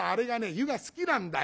湯が好きなんだよ。